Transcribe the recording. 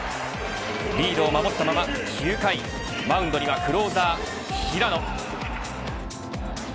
リードを守ったまま９回マウンドにはクローザー平野。